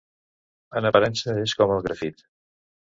En aparença és com el grafit.